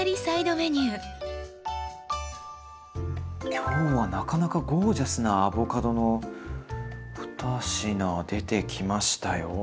今日はなかなかゴージャスなアボカドのふた品出てきましたよ。